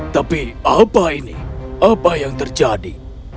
tapi apa ini apa yang terjadi